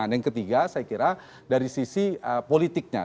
yang ketiga saya kira dari sisi politiknya